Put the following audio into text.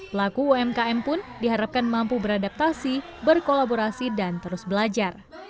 pelaku umkm pun diharapkan mampu beradaptasi berkolaborasi dan terus belajar